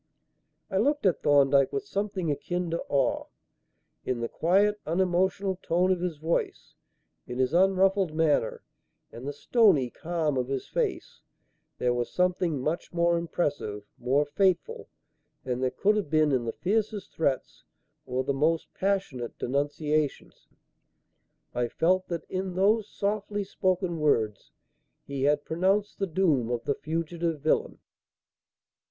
I looked at Thorndyke with something akin to awe. In the quiet unemotional tone of his voice, in his unruffled manner and the stony calm of his face, there was something much more impressive, more fateful, than there could have been in the fiercest threats or the most passionate denunciations. I felt that in those softly spoken words he had pronounced the doom of the fugitive villain.